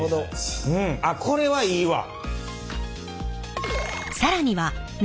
あっこれはいいわ！